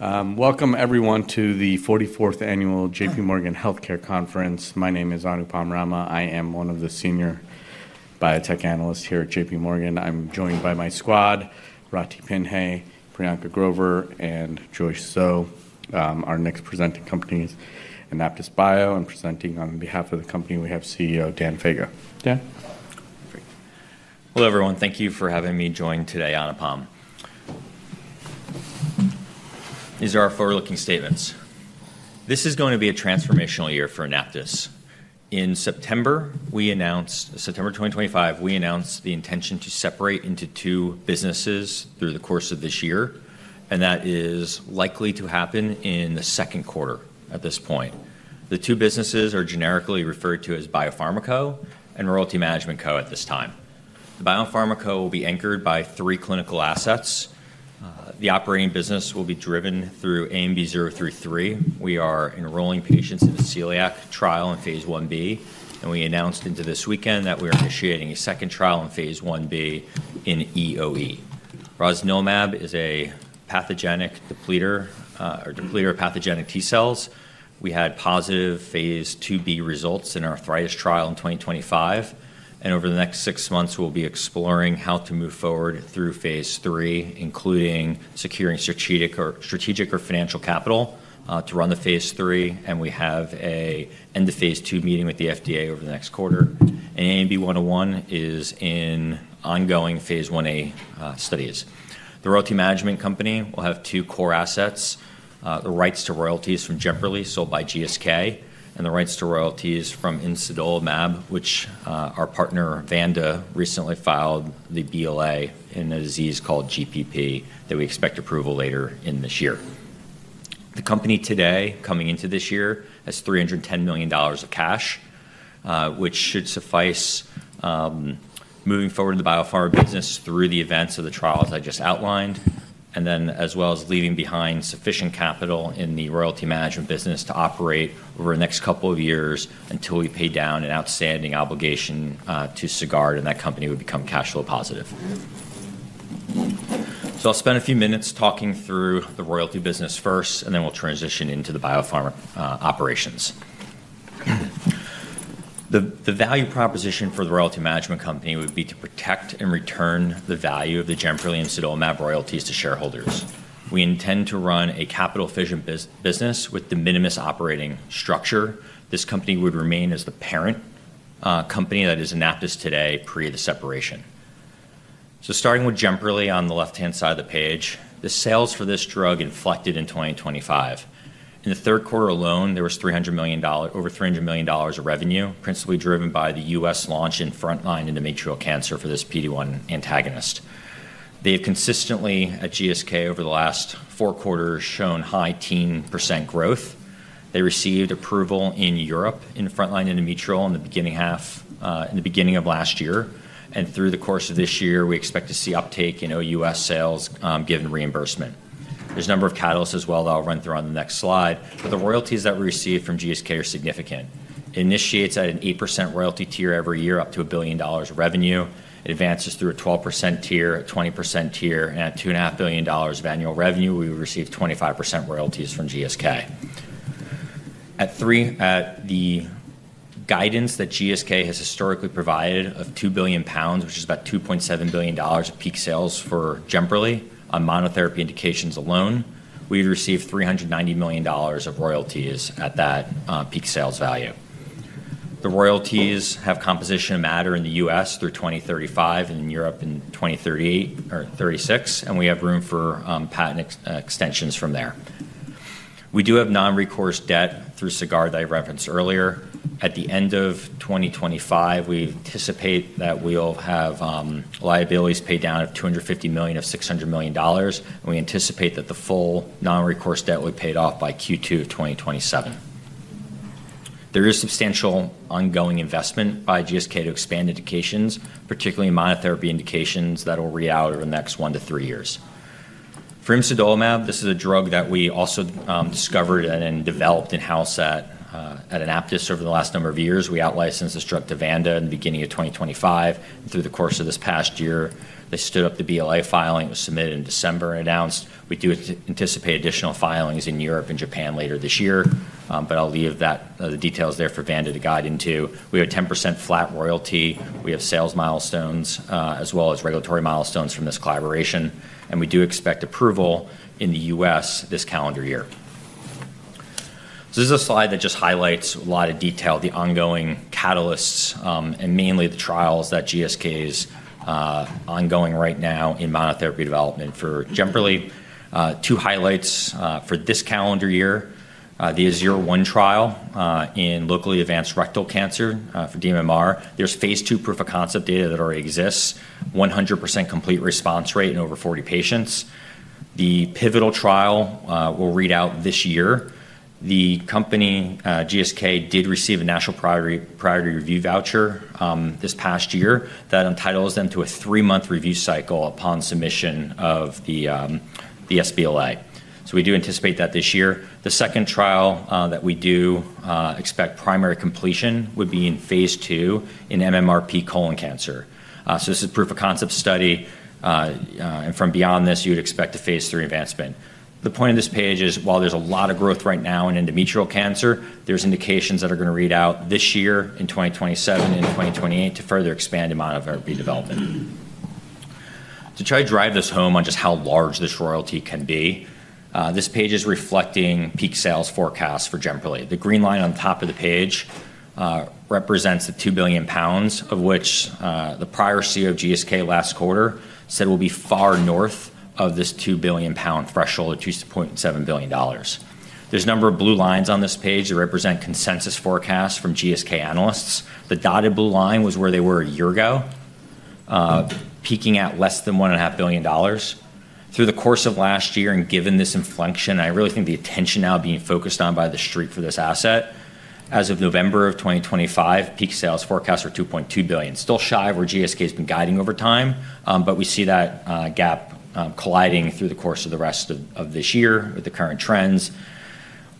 Welcome, everyone, to the 44th Annual JPMorgan Healthcare Conference. My name is Anupam Rama. I am one of the senior biotech analysts here at JPMorgan. I'm joined by my squad, Rathi Pinhey, Priyanka Grover, and Joyce Soh. Our next presenting company is AnaptysBio, and presenting on behalf of the company, we have CEO Dan Faga. Dan? Hello, everyone. Thank you for having me join today, Anupam. These are our forward-looking statements. This is going to be a transformational year for AnaptysBio. In September, we announced, September 2025, we announced the intention to separate into two businesses through the course of this year, and that is likely to happen in the second quarter at this point. The two businesses are generically referred to as Biopharma Co and Royalty Management Co at this time. The Biopharma Co will be anchored by three clinical assets. The operating business will be driven through ANB033. We are enrolling patients in a celiac trial in phase I-B, and we announced into this weekend that we are initiating a second trial in phase I-B in EoE. Rosnilimab is a pathogenic depleter of pathogenic T cells. We had positive phase II-B results in our arthritis trial in 2025, and over the next six months, we'll be exploring how to move forward through phase III, including securing strategic or financial capital to run the phase III, and we have an end-of-phase III meeting with the FDA over the next quarter, and ANB101 is in ongoing phase I-A studies. The Royalty Management Company will have two core assets: the rights to royalties from JEMPERLI sold by GSK, and the rights to royalties from imsidolimab, which our partner Vanda recently filed the BLA in a disease called GPP that we expect approval later in this year. The company today, coming into this year, has $310 million of cash, which should suffice moving forward in the biopharma business through the events of the trials I just outlined, and then as well as leaving behind sufficient capital in the Royalty Management business to operate over the next couple of years until we pay down an outstanding obligation to Sagard, and that company would become cash flow positive. I'll spend a few minutes talking through the Royalty business first, and then we'll transition into the biopharma operations. The value proposition for the Royalty Management Company would be to protect and return the value of the JEMPERLI and imsidolimab royalties to shareholders. We intend to run a capital-efficient business with the minimal operating structure. This company would remain as the parent company that is Anaptys today pre the separation. Starting with JEMPERLI on the left-hand side of the page, the sales for this drug inflected in 2025. In the third quarter alone, there was $300 million, over $300 million of revenue, principally driven by the U.S. launch in frontline endometrial cancer for this PD-1 antagonist. They have consistently, at GSK, over the last four quarters, shown high teen% growth. They received approval in Europe in frontline endometrial in the beginning of last year, and through the course of this year, we expect to see uptake in OUS sales given reimbursement. There's a number of catalysts as well that I'll run through on the next slide, but the royalties that we received from GSK are significant. It initiates at an 8% royalty tier every year up to $1 billion of revenue. It advances through a 12% tier, a 20% tier, and at $2.5 billion of annual revenue, we would receive 25% royalties from GSK. At the guidance that GSK has historically provided of 2 billion pounds, which is about $2.7 billion of peak sales for JEMPERLI on monotherapy indications alone, we'd receive $390 million of royalties at that peak sales value. The royalties have composition of matter in the U.S. through 2035 and in Europe in 2038 or 2036, and we have room for patent extensions from there. We do have non-recourse debt through Sagard that I referenced earlier. At the end of 2025, we anticipate that we'll have liabilities paid down of $250 million of $600 million, and we anticipate that the full non-recourse debt will be paid off by Q2 of 2027. There is substantial ongoing investment by GSK to expand indications, particularly monotherapy indications that will roll out over the next one to three years. For imsidolimab, this is a drug that we also discovered and developed in-house at Anaptys over the last number of years. We out-licensed this drug to Vanda in the beginning of 2025, and through the course of this past year, they stood up the BLA filing. It was submitted in December and announced. We do anticipate additional filings in Europe and Japan later this year, but I'll leave the details there for Vanda to guide into. We have a 10% flat royalty. We have sales milestones as well as regulatory milestones from this collaboration, and we do expect approval in the U.S. this calendar year. This is a slide that just highlights a lot of detail, the ongoing catalysts and mainly the trials that GSK is ongoing right now in monotherapy development for JEMPERLI. Two highlights for this calendar year: the AZUR-1 trial in locally advanced rectal cancer for dMMR. There's phase II proof-of-concept data that already exists, 100% complete response rate in over 40 patients. The pivotal trial will read out this year. The company, GSK, did receive a national priority review voucher this past year that entitles them to a three-month review cycle upon submission of the sBLA. So we do anticipate that this year. The second trial that we do expect primary completion would be in phase II in MMRp colon cancer. So this is proof-of-concept study, and from beyond this, you would expect a phase III advancement. The point of this page is, while there's a lot of growth right now in endometrial cancer, there's indications that are going to read out this year, in 2027 and in 2028, to further expand monotherapy development. To try to drive this home on just how large this royalty can be, this page is reflecting peak sales forecasts for JEMPERLI. The green line on the top of the page represents the 2 billion pounds, of which the prior CEO of GSK last quarter said will be far north of this 2 billion pound threshold of $2.7 billion. There's a number of blue lines on this page that represent consensus forecasts from GSK analysts. The dotted blue line was where they were a year ago, peaking at less than $1.5 billion. Through the course of last year, and given this inflection, I really think the attention now being focused on by the street for this asset, as of November of 2025, peak sales forecasts are $2.2 billion. Still shy of where GSK has been guiding over time, but we see that gap colliding through the course of the rest of this year with the current trends.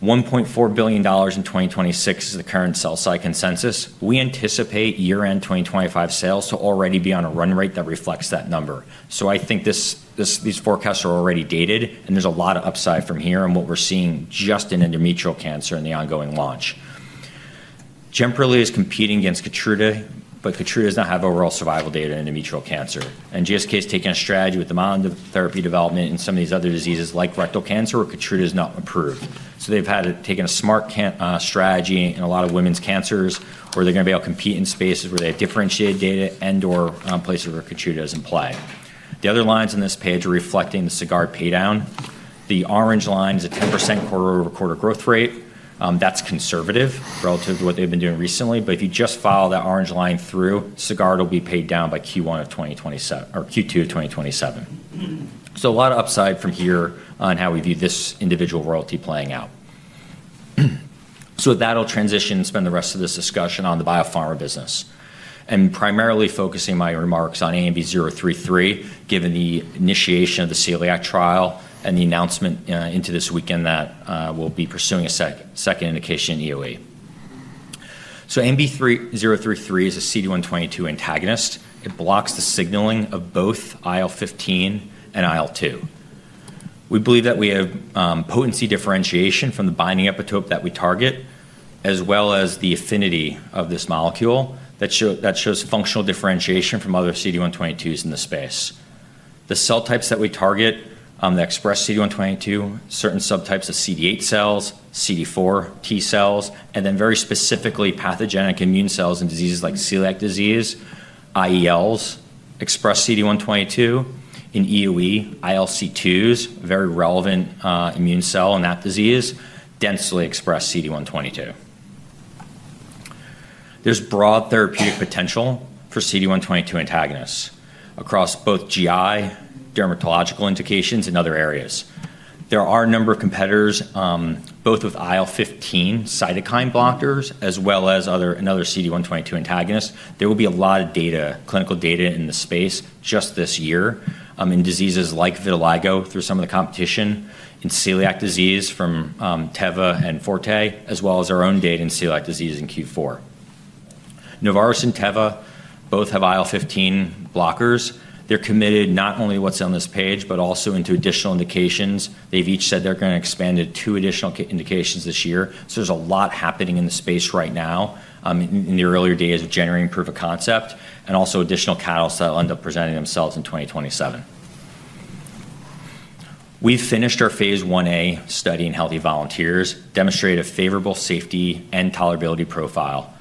$1.4 billion in 2026 is the current sell-side consensus. We anticipate year-end 2025 sales to already be on a run rate that reflects that number. So I think these forecasts are already dated, and there's a lot of upside from here in what we're seeing just in endometrial cancer and the ongoing launch. JEMPERLI is competing against KEYTRUDA, but KEYTRUDA does not have overall survival data in endometrial cancer, and GSK has taken a strategy with the monotherapy development in some of these other diseases like rectal cancer where KEYTRUDA has not improved. So they've taken a smart strategy in a lot of women's cancers where they're going to be able to compete in spaces where they have differentiated data and/or places where KEYTRUDA is implied. The other lines on this page are reflecting the Sagard paydown. The orange line is a 10% quarter-over-quarter growth rate. That's conservative relative to what they've been doing recently, but if you just follow that orange line through, Sagard will be paid down by Q1 of 2027 or Q2 of 2027. So a lot of upside from here on how we view this individual royalty playing out. So with that, I'll transition and spend the rest of this discussion on the biopharma business, and primarily focusing my remarks on ANB033, given the initiation of the celiac trial and the announcement into this weekend that we'll be pursuing a second indication in EoE. So ANB033 is a CD122 antagonist. It blocks the signaling of both IL-15 and IL-2. We believe that we have potency differentiation from the binding epitope that we target, as well as the affinity of this molecule that shows functional differentiation from other CD122s in the space. The cell types that we target that express CD122, certain subtypes of CD8 cells, CD4 T cells, and then very specifically pathogenic immune cells in diseases like celiac disease, IELs, express CD122 in EoE, ILC2s, very relevant immune cell in that disease, densely express CD122. There's broad therapeutic potential for CD122 antagonists across both GI, dermatological indications, and other areas. There are a number of competitors, both with IL-15 cytokine blockers as well as another CD122 antagonist. There will be a lot of data, clinical data in the space just this year in diseases like vitiligo through some of the competition, in celiac disease from Teva and Forte, as well as our own data in celiac disease in Q4. Novartis and Teva both have IL-15 blockers. They're committed not only to what's on this page but also into additional indications. They've each said they're going to expand to two additional indications this year. So there's a lot happening in the space right now in the earlier days of generating proof-of-concept and also additional catalysts that will end up presenting themselves in 2027. We've finished our phase I-A study in healthy volunteers, demonstrated a favorable safety and tolerability profile.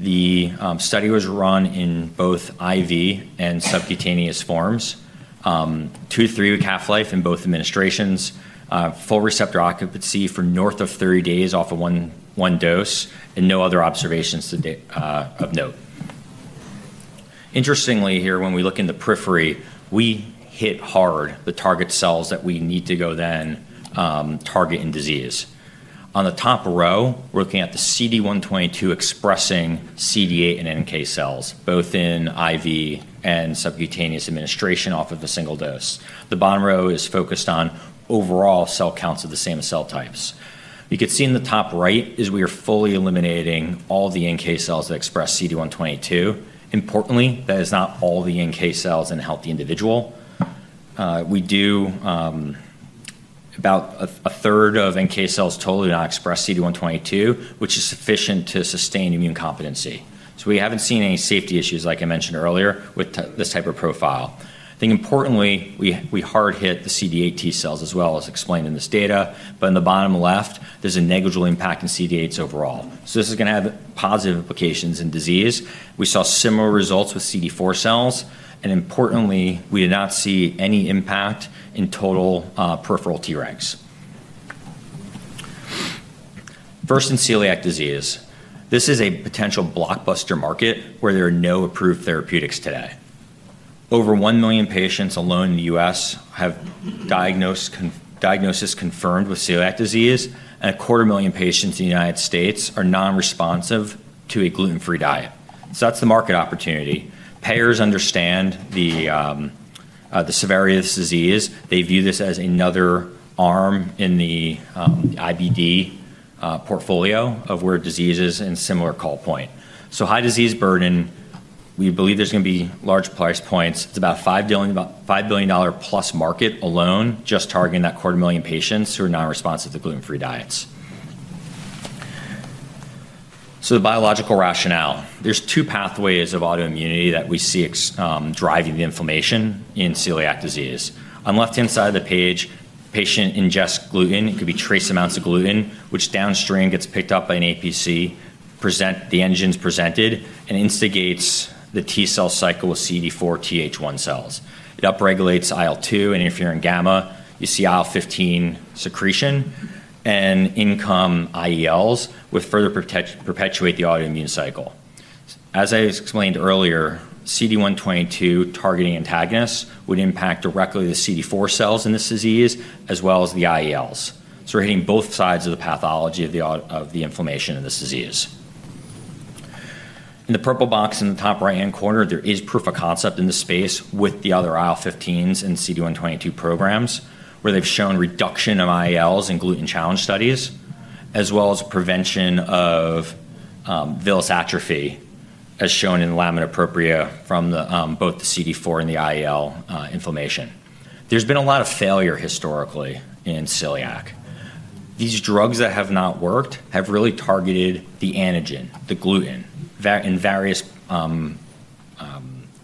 The study was run in both IV and subcutaneous forms, two- to three-week half-life in both administrations, full receptor occupancy for north of 30 days off of one dose, and no other observations of note. Interestingly here, when we look in the periphery, we hit hard the target cells that we need to go then target in disease. On the top row, we're looking at the CD122 expressing CD8 and NK cells, both in IV and subcutaneous administration off of a single dose. The bottom row is focused on overall cell counts of the same cell types. You can see in the top right is we are fully eliminating all the NK cells that express CD122. Importantly, that is not all the NK cells in a healthy individual. We do about a third of NK cells totally not express CD122, which is sufficient to sustain immune competency. So we haven't seen any safety issues, like I mentioned earlier, with this type of profile. I think importantly, we have hit the CD8 T cells, as is explained in this data, but in the bottom left, there's a negligible impact in CD8s overall. So this is going to have positive implications in disease. We saw similar results with CD4 cells, and importantly, we did not see any impact in total peripheral Tregs. First, in celiac disease, this is a potential blockbuster market where there are no approved therapeutics today. Over one million patients alone in the U.S. have diagnosis confirmed with celiac disease, and 250,000 patients in the United States are non-responsive to a gluten-free diet. So that's the market opportunity. Payers understand the severity of this disease. They view this as another arm in the IBD portfolio of where disease is in a similar call point. So high disease burden, we believe there's going to be large price points. It's about a $5 billion-plus market alone just targeting that quarter million patients who are non-responsive to gluten-free diets. So the biological rationale, there's two pathways of autoimmunity that we see driving the inflammation in celiac disease. On the left-hand side of the page, patient ingests gluten. It could be trace amounts of gluten, which downstream gets picked up by an APC, antigen presented, and instigates the T cell cycle with CD4 TH1 cells. It upregulates IL-2 and interferon gamma. You see IL-15 secretion and incoming IELs which further perpetuate the autoimmune cycle. As I explained earlier, CD122 targeting antagonists would impact directly the CD4 cells in this disease as well as the IELs. So we're hitting both sides of the pathology of the inflammation in this disease. In the purple box in the top right-hand corner, there is proof-of-concept in the space with the other IL-15s and CD122 programs where they've shown reduction of IELs in gluten challenge studies as well as prevention of villus atrophy as shown in lamina propria from both the CD4 and the IEL inflammation. There's been a lot of failure historically in celiac. These drugs that have not worked have really targeted the antigen, the gluten, in various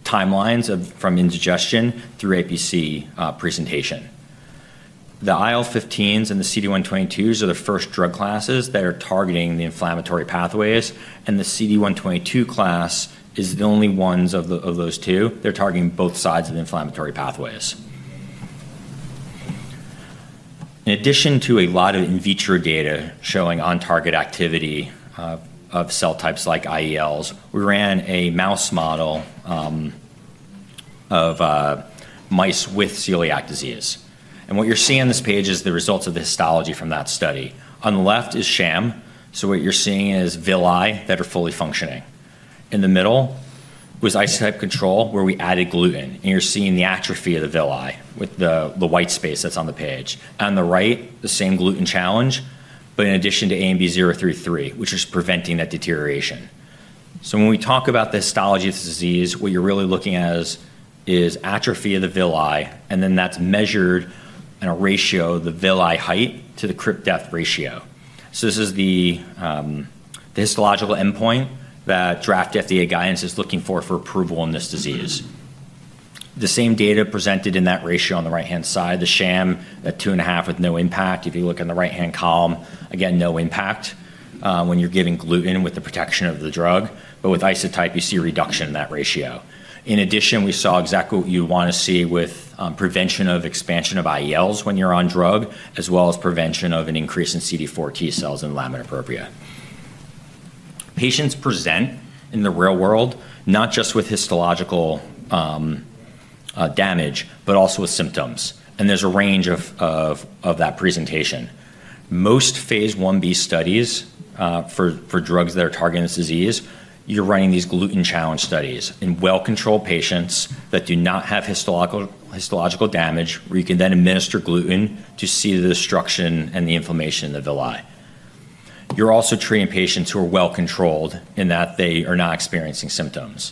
timelines from ingestion through APC presentation. The IL-15s and the CD122s are the first drug classes that are targeting the inflammatory pathways, and the CD122 class is the only ones of those two. They're targeting both sides of the inflammatory pathways. In addition to a lot of in vitro data showing on-target activity of cell types like IELs, we ran a mouse model of mice with celiac disease. What you're seeing on this page is the results of the histology from that study. On the left is sham. What you're seeing is villi that are fully functioning. In the middle was isotype control where we added gluten, and you're seeing the atrophy of the villi with the white space that's on the page. On the right, the same gluten challenge, but in addition to ANB033, which is preventing that deterioration. When we talk about the histology of this disease, what you're really looking at is atrophy of the villi, and then that's measured in a ratio, the villus height to the crypt depth ratio. This is the histological endpoint that draft FDA guidance is looking for approval in this disease. The same data presented in that ratio on the right-hand side, the sham at two and a half with no impact. If you look on the right-hand column, again, no impact when you're giving gluten with the protection of the drug, but with isotype, you see reduction in that ratio. In addition, we saw exactly what you'd want to see with prevention of expansion of IELs when you're on drug, as well as prevention of an increase in CD4 T cells in lamina propria. Patients present in the real world not just with histological damage, but also with symptoms, and there's a range of that presentation. Most phase I-B studies for drugs that are targeting this disease, you're running these gluten challenge studies in well-controlled patients that do not have histological damage where you can then administer gluten to see the destruction and the inflammation in the villi. You're also treating patients who are well-controlled in that they are not experiencing symptoms.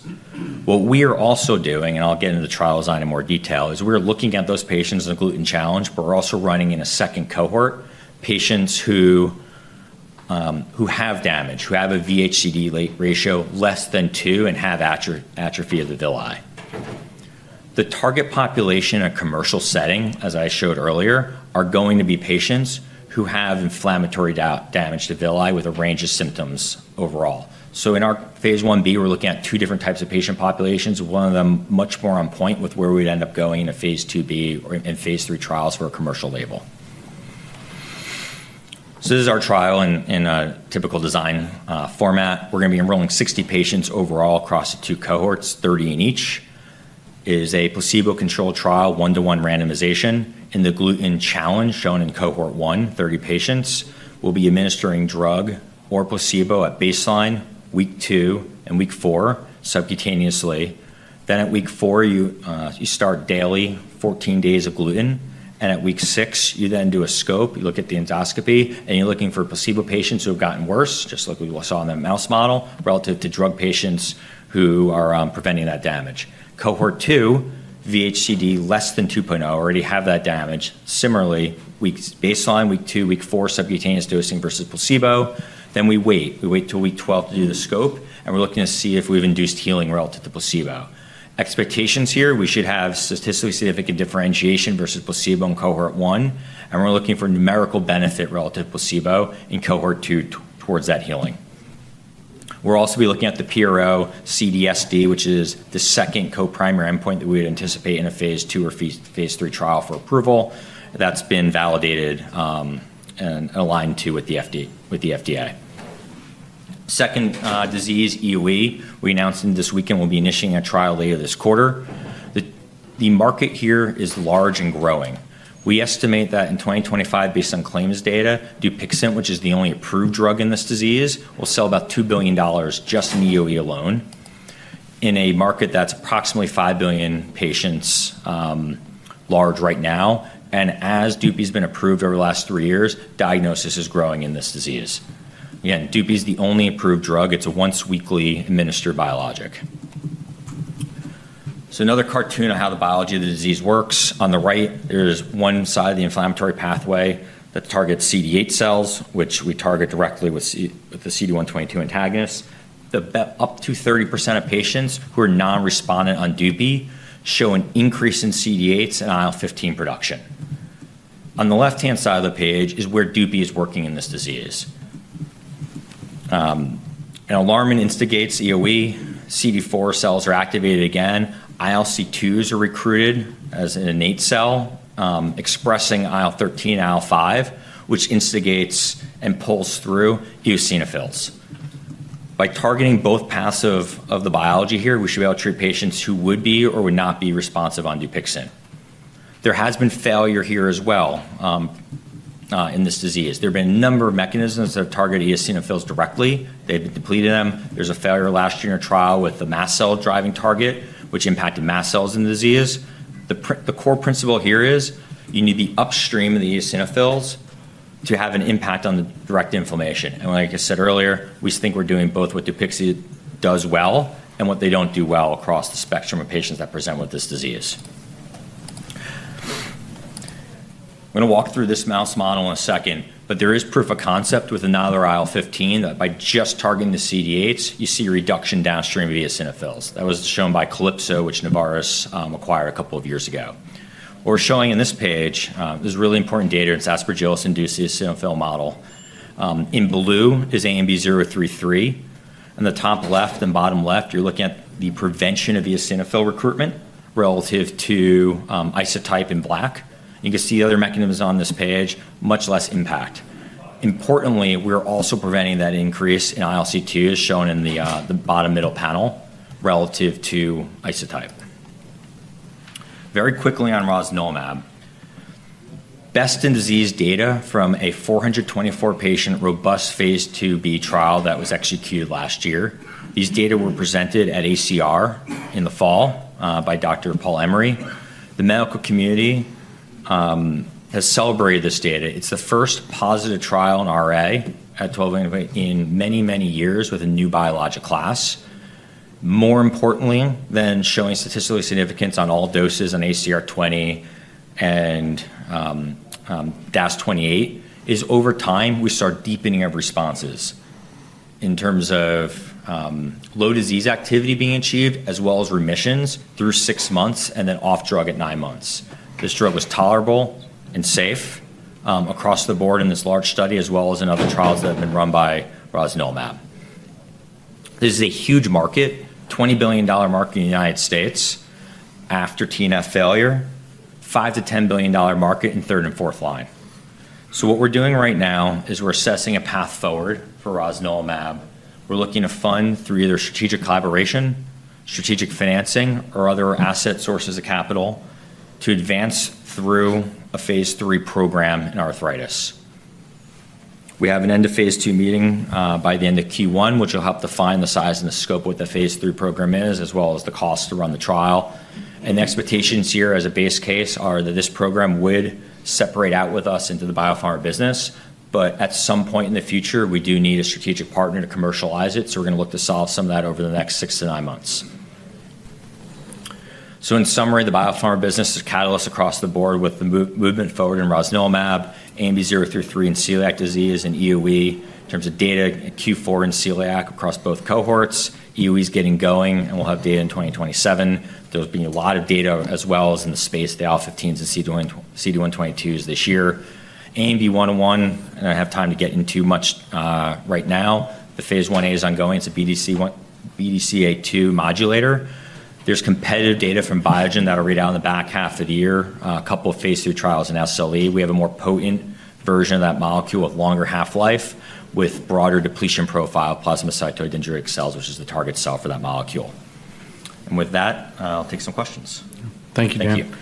What we are also doing, and I'll get into the trial design in more detail, is we're looking at those patients in a gluten challenge, but we're also running in a second cohort, patients who have damage, who have a VH:CD ratio less than two and have atrophy of the villi. The target population in a commercial setting, as I showed earlier, are going to be patients who have inflammatory damage to villi with a range of symptoms overall. In our phase I-B, we're looking at two different types of patient populations, one of them much more on point with where we'd end up going in a phase II-B or in phase III trials for a commercial label. This is our trial in a typical design format. We're going to be enrolling 60 patients overall across the two cohorts, 30 in each. It is a placebo-controlled trial, one-to-one randomization. In the gluten challenge shown in cohort one, 30 patients will be administering drug or placebo at baseline, week two and week four, subcutaneously. Then at week four, you start daily, 14 days of gluten, and at week six, you then do a scope. You look at the endoscopy, and you're looking for placebo patients who have gotten worse, just like we saw in that mouse model, relative to drug patients who are preventing that damage. Cohort two, VH:CD less than 2.0, already have that damage. Similarly, week baseline, week two, week four, subcutaneous dosing versus placebo. Then we wait. We wait till week 12 to do the scope, and we're looking to see if we've induced healing relative to placebo. Expectations here, we should have statistically significant differentiation versus placebo in cohort one, and we're looking for numerical benefit relative to placebo in cohort two towards that healing. We're also going to be looking at the PRO CDSD, which is the second co-primary endpoint that we would anticipate in a phase II or phase III trial for approval. That's been validated and aligned with the FDA. Second disease, EoE, we announced this weekend we'll be initiating a trial later this quarter. The market here is large and growing. We estimate that in 2025, based on claims data, DUPIXENT, which is the only approved drug in this disease, will sell about $2 billion just in EoE alone in a market that's approximately 5 billion patients large right now, and as dupi has been approved over the last three years, diagnosis is growing in this disease. Again, dupi is the only approved drug. It's a once-weekly administered biologic, so another cartoon on how the biology of the disease works. On the right, there's one side of the inflammatory pathway that targets CD8 cells, which we target directly with the CD122 antagonists. Up to 30% of patients who are non-respondent on dupi show an increase in CD8s and IL-15 production. On the left-hand side of the page is where dupi is working in this disease. An allergen instigates EoE. CD4 cells are activated again. ILC2s are recruited as an innate cell expressing IL-13, IL-5, which instigates and pulls through eosinophils. By targeting both aspects of the biology here, we should be able to treat patients who would be or would not be responsive on DUPIXENT. There has been failure here as well in this disease. There have been a number of mechanisms that have targeted eosinophils directly. They've been depleting them. There's a failure last year in a trial with the mast cell driving target, which impacted mast cells in the disease. The core principle here is you need the upstream of the eosinophils to have an impact on the direct inflammation. Like I said earlier, we think we're doing both what DUPIXENT does well and what they don't do well across the spectrum of patients that present with this disease. I'm going to walk through this mouse model in a second, but there is proof-of-concept with another IL-15 that by just targeting the CD8s, you see reduction downstream of eosinophils. That was shown by Calypso, which Novartis acquired a couple of years ago. What we're showing in this page is really important data. It's Aspergillus-induced eosinophil model. In blue is ANB033. In the top left and bottom left, you're looking at the prevention of eosinophil recruitment relative to isotype in black. You can see other mechanisms on this page, much less impact. Importantly, we're also preventing that increase in ILC2 as shown in the bottom middle panel relative to isotype. Very quickly on rosnilimab, best-in-disease data from a 424-patient robust phase II-B trial that was executed last year. These data were presented at ACR in the fall by Dr. Paul Emery. The medical community has celebrated this data. It's the first positive trial in RA in many, many years with a new biologic class. More importantly than showing statistical significance on all doses on ACR20 and DAS28 is over time, we start deepening our responses in terms of low disease activity being achieved as well as remissions through six months and then off drug at nine months. This drug was tolerable and safe across the board in this large study as well as in other trials that have been run by rosnilimab. This is a huge market, $20 billion market in the United States after TNF failure, $5 billion-$10 billion market in third and fourth line. So what we're doing right now is we're assessing a path forward for rosnilimab. We're looking to fund through either strategic collaboration, strategic financing, or other asset sources of capital to advance through a phase III program in arthritis. We have an end-of-phase II meeting by the end of Q1, which will help define the size and the scope of what the phase III program is as well as the cost to run the trial. And expectations here as a base case are that this program would separate out with us into the biopharma business, but at some point in the future, we do need a strategic partner to commercialize it. So we're going to look to solve some of that over the next six to nine months. So in summary, the biopharma business is a catalyst across the board with the movement forward in rosnilimab, ANB033 in celiac disease and EoE in terms of data in Q4 in celiac across both cohorts. EoE is getting going, and we'll have data in 2027. There'll be a lot of data as well as in the space of the IL-15s and CD122s this year. AMB101, and I don't have time to get into much right now. The phase I-A is ongoing. It's a BDCA2 modulator. There's competitive data from Biogen that'll read out in the back half of the year, a couple of phase III trials in SLE. We have a more potent version of that molecule with longer half-life with broader depletion profile of plasmacytoid dendritic cells, which is the target cell for that molecule. And with that, I'll take some questions. Thank you, Dan.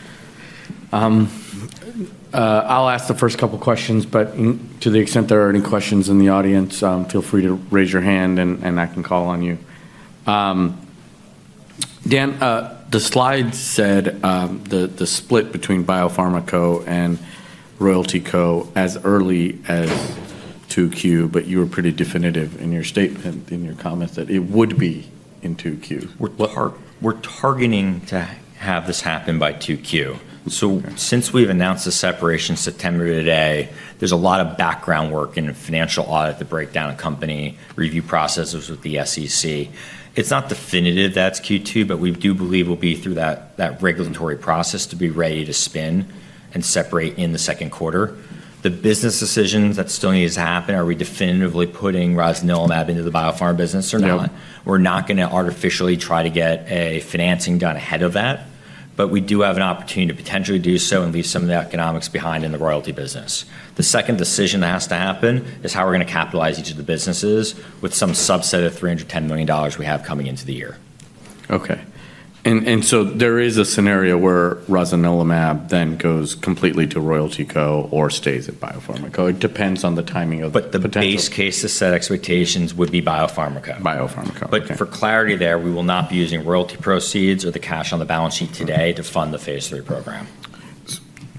Thank you. I'll ask the first couple of questions, but to the extent there are any questions in the audience, feel free to raise your hand, and I can call on you. Dan, the slide said the split between biopharma co and royalty co as early as 2Q, but you were pretty definitive in your statement, in your comments, that it would be in 2Q. We're targeting to have this happen by 2Q. So since we've announced the separation September today, there's a lot of background work in financial audit to break down a company, review processes with the SEC. It's not definitive that's Q2, but we do believe we'll be through that regulatory process to be ready to spin and separate in the second quarter. The business decisions that still need to happen, are we definitively putting rosnilimab into the biopharma business or not? We're not going to artificially try to get a financing done ahead of that, but we do have an opportunity to potentially do so and leave some of the economics behind in the royalty business. The second decision that has to happen is how we're going to capitalize each of the businesses with some subset of $310 million we have coming into the year. Okay, and so there is a scenario where rosnilimab then goes completely to royalty co or stays at biopharma co? It depends on the timing of the potential. But the base case to set expectations would be biopharma co. Biopharma co. But for clarity there, we will not be using royalty proceeds or the cash on the balance sheet today to fund the phase III program.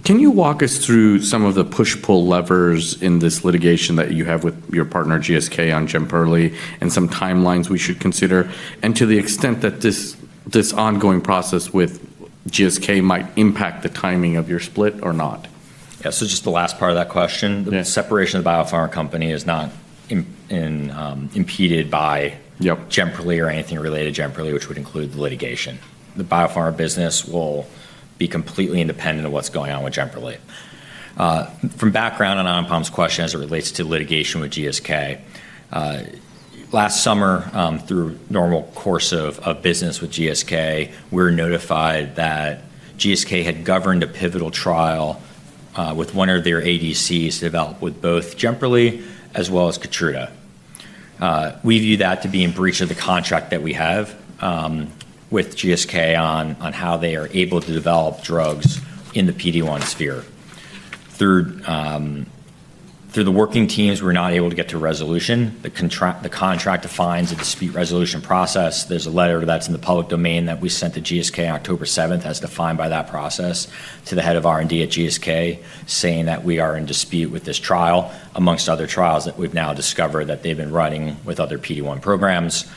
Can you walk us through some of the push-pull levers in this litigation that you have with your partner, GSK, on JEMPERLI, and some timelines we should consider, and to the extent that this ongoing process with GSK might impact the timing of your split or not? Yeah. So just the last part of that question, the separation of the biopharma company is not impeded by JEMPERLI or anything related to JEMPERLI, which would include the litigation. The biopharma business will be completely independent of what's going on with JEMPERLI. From background on Anupam's question as it relates to litigation with GSK, last summer, through normal course of business with GSK, we were notified that GSK had gone ahead with a pivotal trial with one of their ADCs developed with both JEMPERLI as well as KEYTRUDA. We view that to be in breach of the contract that we have with GSK on how they are able to develop drugs in the PD-1 sphere. Through the working teams, we're not able to get to resolution. The contract defines a dispute resolution process. There's a letter that's in the public domain that we sent to GSK on October 7th as defined by that process to the head of R&D at GSK, saying that we are in dispute with this trial amongst other trials that we've now discovered that they've been running with other PD-1 programs.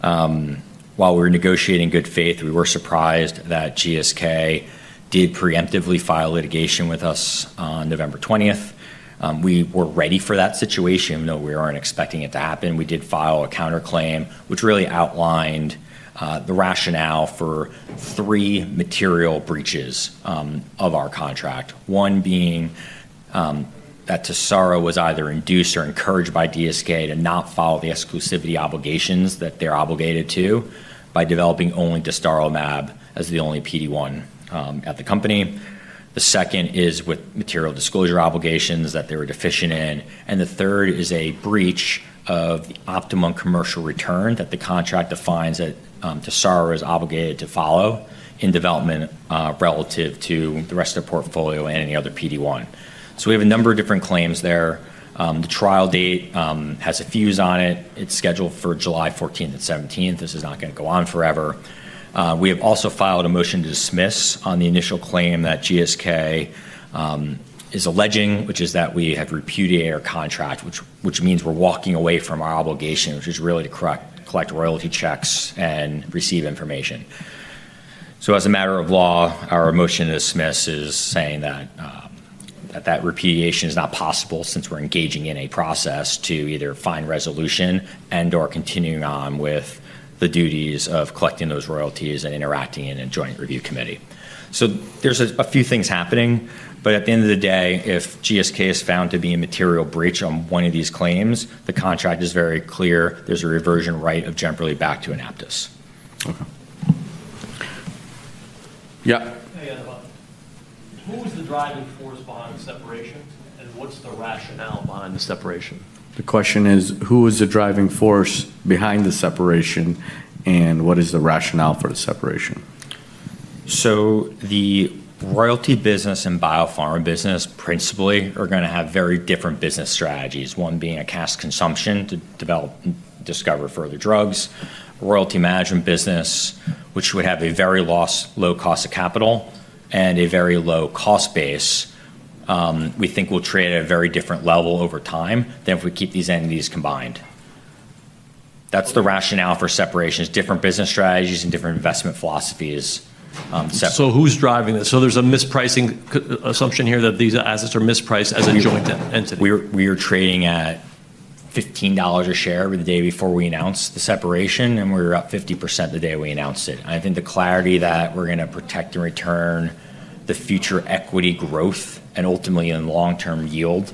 While we were negotiating in good faith, we were surprised that GSK did preemptively file litigation with us on November 20th. We were ready for that situation, even though we weren't expecting it to happen. We did file a counterclaim, which really outlined the rationale for three material breaches of our contract. One being that Tesaro was either induced or encouraged by GSK to not follow the exclusivity obligations that they're obligated to by developing only Tesaro mAb as the only PD-1 at the company. The second is with material disclosure obligations that they were deficient in. And the third is a breach of the optimum commercial return that the contract defines that Tesaro is obligated to follow in development relative to the rest of the portfolio and any other PD-1. So we have a number of different claims there. The trial date has a fuse on it. It's scheduled for July 14th and 17th. This is not going to go on forever. We have also filed a motion to dismiss on the initial claim that GSK is alleging, which is that we have repudiated our contract, which means we're walking away from our obligation, which is really to collect royalty checks and receive information. So as a matter of law, our motion to dismiss is saying that that repudiation is not possible since we're engaging in a process to either find resolution and/or continuing on with the duties of collecting those royalties and interacting in a joint review committee. So there's a few things happening, but at the end of the day, if GSK is found to be a material breach on one of these claims, the contract is very clear. There's a reversion right of JEMPERLI back to AnaptysBio. Okay. Yeah. Hey, Anupam. Who was the driving force behind the separation, and what's the rationale behind the separation? The question is, who was the driving force behind the separation, and what is the rationale for the separation? So the royalty business and biopharma business principally are going to have very different business strategies, one being a cash consumption to develop and discover further drugs, royalty management business, which would have a very low cost of capital and a very low cost base. We think we'll trade at a very different level over time than if we keep these entities combined. That's the rationale for separation: different business strategies and different investment philosophies. So who's driving this? So there's a mispricing assumption here that these assets are mispriced as a joint entity. We are trading at $15 a share the day before we announced the separation, and we were up 50% the day we announced it. I think the clarity that we're going to protect and return the future equity growth and ultimately in long-term yield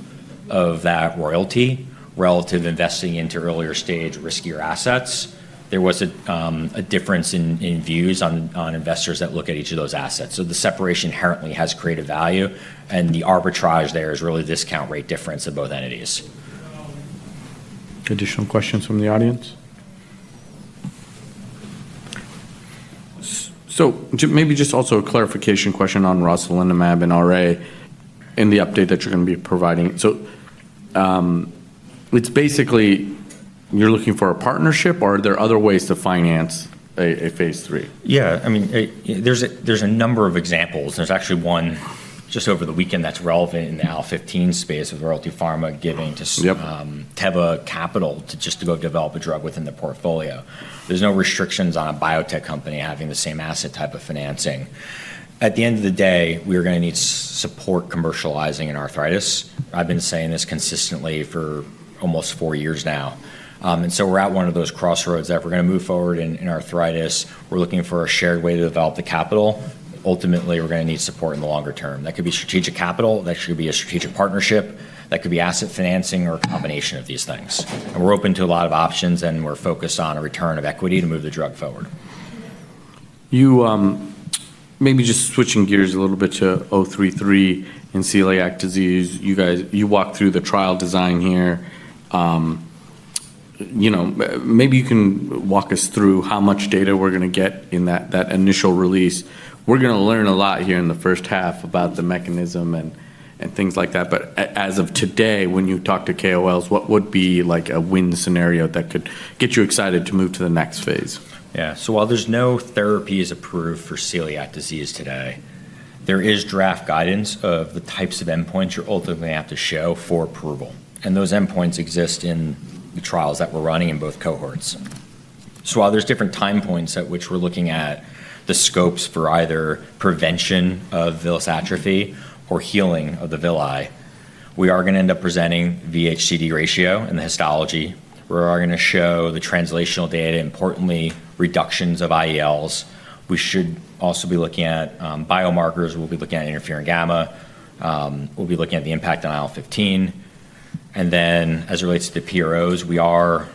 of that royalty relative to investing into earlier stage riskier assets, there was a difference in views on investors that look at each of those assets. So the separation inherently has creative value, and the arbitrage there is really discount rate difference of both entities. Additional questions from the audience? So maybe just also a clarification question on rosnilimab and RA in the update that you're going to be providing. So it's basically you're looking for a partnership, or are there other ways to finance a phase III? Yeah. I mean, there's a number of examples. There's actually one just over the weekend that's relevant in the IL-15 space of Royalty Pharma giving capital to Teva just to go develop a drug within the portfolio. There's no restrictions on a biotech company having the same asset type of financing. At the end of the day, we are going to need support commercializing in arthritis. I've been saying this consistently for almost four years now, and so we're at one of those crossroads that we're going to move forward in arthritis. We're looking for a shared way to develop the capital. Ultimately, we're going to need support in the longer term. That could be strategic capital. That should be a strategic partnership. That could be asset financing or a combination of these things. We're open to a lot of options, and we're focused on a return of equity to move the drug forward. Maybe just switching gears a little bit to 033 and celiac disease. You walk through the trial design here. Maybe you can walk us through how much data we're going to get in that initial release? We're going to learn a lot here in the first half about the mechanism and things like that. But as of today, when you talk to KOLs, what would be a win scenario that could get you excited to move to the next phase? Yeah. So while there's no therapies approved for celiac disease today, there is draft guidance of the types of endpoints you're ultimately going to have to show for approval. And those endpoints exist in the trials that we're running in both cohorts. So while there's different time points at which we're looking at the scopes for either prevention of villus atrophy or healing of the villi, we are going to end up presenting VH:CD ratio and the histology. We are going to show the translational data, importantly, reductions of IELs. We should also be looking at biomarkers. We'll be looking at interferon gamma. We'll be looking at the impact on IL-15. And then as it relates to the PROs, we are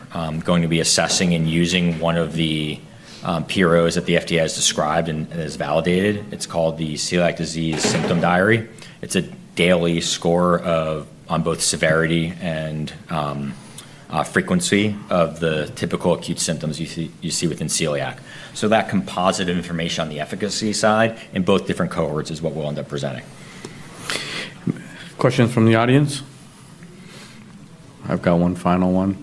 going to be assessing and using one of the PROs that the FDA has described and has validated. It's called the Celiac Disease Symptom Diary. It's a daily score on both severity and frequency of the typical acute symptoms you see within celiac. So that composite information on the efficacy side in both different cohorts is what we'll end up presenting. Questions from the audience? I've got one final one.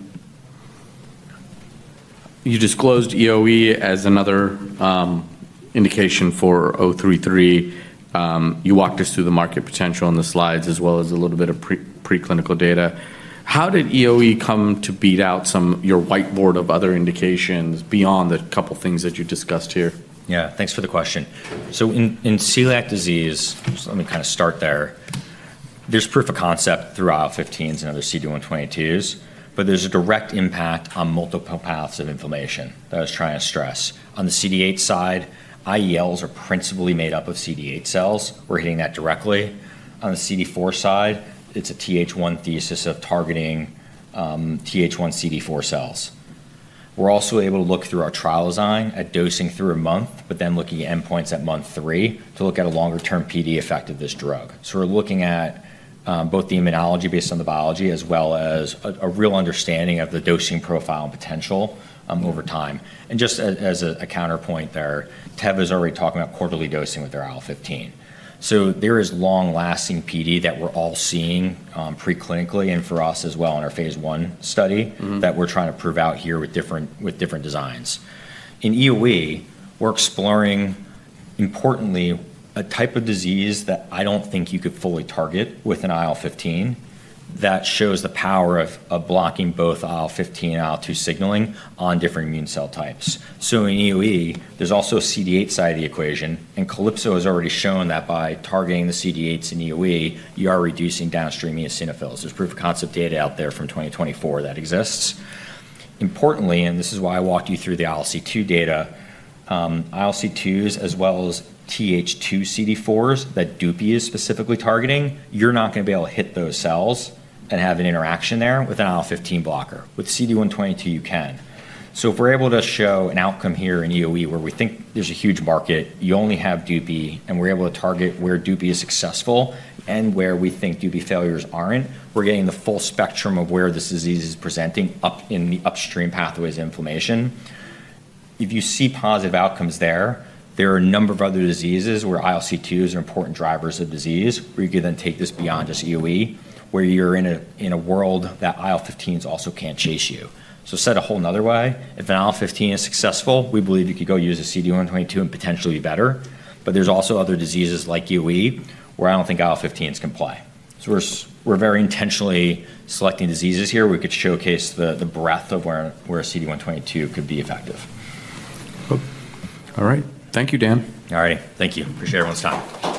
You disclosed EoE as another indication for 033. You walked us through the market potential in the slides as well as a little bit of preclinical data. How did EoE come to beat out your whiteboard of other indications beyond the couple of things that you discussed here? Yeah. Thanks for the question. So in celiac disease, let me kind of start there. There's proof of concept through IL-15s and other CD122s, but there's a direct impact on multiple pathways of inflammation that I was trying to stress. On the CD8 side, IELs are principally made up of CD8 cells. We're hitting that directly. On the CD4 side, it's a TH1 axis of targeting TH1 CD4 cells. We're also able to look through our trial design at dosing through a month, but then looking at endpoints at month three to look at a longer-term PD effect of this drug. So we're looking at both the immunology based on the biology as well as a real understanding of the dosing profile and potential over time. And just as a counterpoint there, Teva is already talking about quarterly dosing with their IL-15. There is long-lasting PD that we're all seeing preclinically and for us as well in our phase I study that we're trying to prove out here with different designs. In EoE, we're exploring, importantly, a type of disease that I don't think you could fully target with an IL-15 that shows the power of blocking both IL-15 and IL-2 signaling on different immune cell types. In EoE, there's also a CD8 side of the equation, and Calypso has already shown that by targeting the CD8s in EoE, you are reducing downstream eosinophils. There's proof of concept data out there from 2024 that exists. Importantly, and this is why I walked you through the ILC2 data, ILC2s as well as TH2 CD4s that DUPI is specifically targeting, you're not going to be able to hit those cells and have an interaction there with an IL-15 blocker. With CD122, you can. So if we're able to show an outcome here in EoE where we think there's a huge market, you only have DUPIXENT, and we're able to target where DUPIXENT is successful and where we think DUPIXENT failures aren't, we're getting the full spectrum of where this disease is presenting up in the upstream pathways of inflammation. If you see positive outcomes there, there are a number of other diseases where ILC2s are important drivers of disease. We could then take this beyond just EoE, where you're in a world that IL-15s also can't chase you. So that's a whole nother way. If an IL-15 is successful, we believe you could go use a CD122 and potentially be better. But there's also other diseases like EoE where I don't think IL-15s apply. So we're very intentionally selecting diseases here where we could showcase the breadth of where a CD122 could be effective. All right. Thank you, Dan. All righty. Thank you. Appreciate everyone's time.